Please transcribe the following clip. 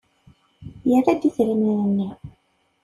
Yerra-d idrimen-nni.